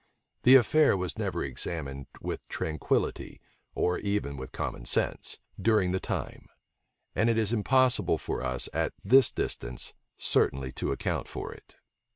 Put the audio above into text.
The affair was never examined with tranquillity, or even with common sense, during the time; and it is impossible for us, at this distance, certainly to account for it.